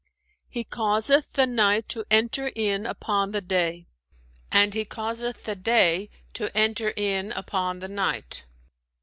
"He causeth the night to enter in upon the day, and He causeth the day to enter in upon the night."